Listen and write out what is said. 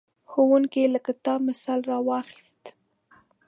ښوونکی له کتاب مثال راواخیست.